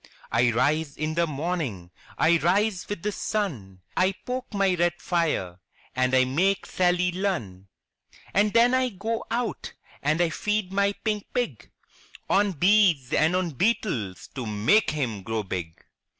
'1 rise in the morning, I rise with the sun, I poke my red fire and I make Sally Lunn ! And then I go out and I feed my pink pig On bees and on beetles to make him grow big!